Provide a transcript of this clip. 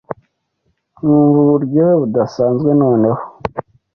nkumva uburyohe budasanzwe noneho